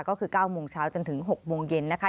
ก็คือ๙โมงเช้าจนถึง๖โมงเย็นนะคะ